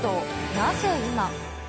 なぜ今。